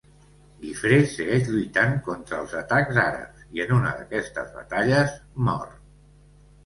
Guifré segueix lluitant contra els atacs àrabs i en una d'aquestes batalles mor.